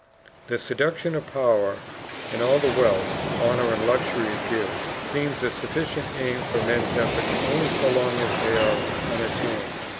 The seductions of power, and all the wealth, honor, and luxury it gives, seem a sufficient aim for men's efforts only so long as they are unattained.